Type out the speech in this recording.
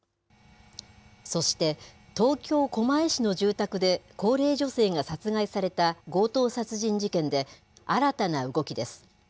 そして、東京・狛江市の住宅で、高齢女性が殺害された強盗殺人事件で、新たな動きです。